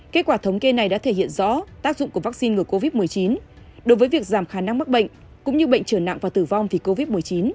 kết quả thống kê này đã thể hiện rõ tác dụng của vaccine ngừa covid một mươi chín đối với việc giảm khả năng mắc bệnh cũng như bệnh trở nặng và tử vong vì covid một mươi chín